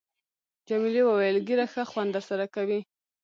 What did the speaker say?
جميلې وويل:، ږیره ښه خوند در سره کوي.